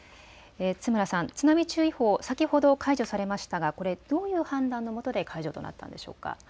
津村さん、津波注意報先ほど解除されましたがこれ、どういう判断のもとで解除となったんでしょうか。